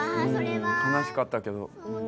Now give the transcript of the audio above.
悲しかったけど。